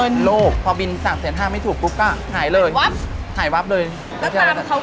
งั้นตามเขาก็ไม่ได้